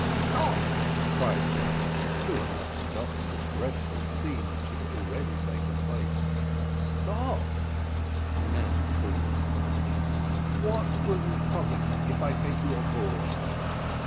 "Stop," cried Jack, who had not forgotten the dreadful scene which had already taken place, "stop." The men paused. "What will you promise if I take you on board?"